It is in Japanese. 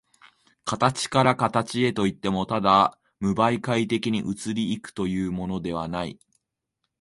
形から形へといっても、ただ無媒介的に移り行くというのではない。